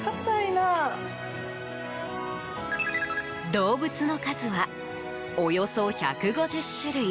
動物の数はおよそ１５０種類。